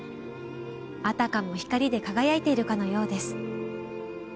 あたかも光で輝いているかのようです。